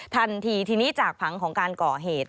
ทันทีทีนี้จากผังของการก่อเหตุ